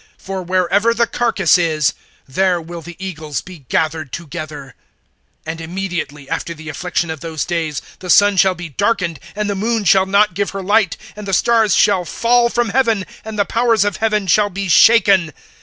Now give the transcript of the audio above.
(28)For wherever the carcass is, there will the eagles be gathered together. (29)And immediately, after the affliction of those days, the sun shall be darkened, and the moon shall not give her light, and the stars shall fall from heaven, and the powers of heaven shall be shaken.